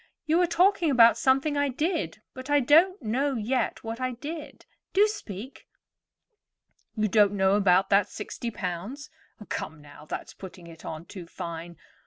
"You are talking about something I did; but I don't know yet what I did. Do speak." "You don't know about that sixty pounds. Come, now, that's putting it on too fine.